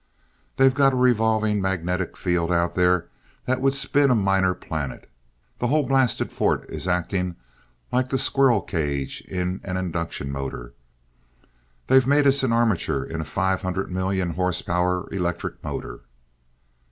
"They've got a revolving magnetic field out there that would spin a minor planet. The whole blasted fort is acting like the squirrel cage in an induction motor! They've made us the armature in a five hundred million horsepower electric motor."